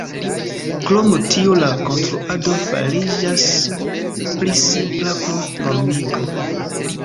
Krom tio la konstruado fariĝas pli simpla pro normigo.